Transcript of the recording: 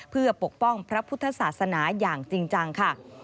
เพื่อปกป้องพระพุทธศาสนาอย่างจริงจังค่ะ